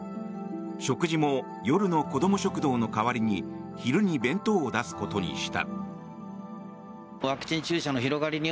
食事も夜の子ども食堂の代わりに昼に弁当を出すことにした。